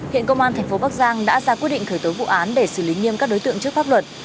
hiện công an thành phố bắc giang đã ra quyết định khởi tố vụ án để xử lý nghiêm các đối tượng trước pháp luật